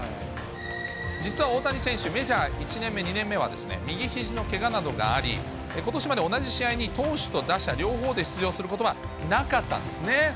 実は大谷選手、メジャー１年目、２年目は右ひじのけがなどがあり、ことしまで同じ試合に投手と打者両方で出場することはなかったんですね。